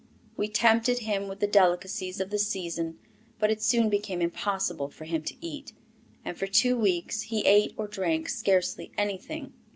We tempted him with the delicacies of the season, but it soon became impossible for him to eat, and for two weeks he ate or drank scarcely anything.